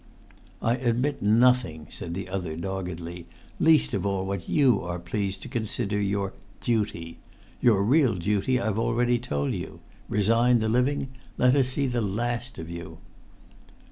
"I admit nothing," said the other, doggedly—"least of all what you are pleased to consider your 'duty.' Your real duty I've already told you. Resign the living. Let us see the last of you."